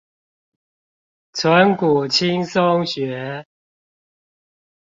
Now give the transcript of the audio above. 存股輕鬆學